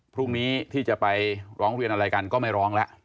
พรุ่งนี้ที่จะไปร้องเรียนอะไรกันก็ไม่ร้องแล้ว